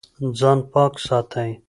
ځان پاک ساتئ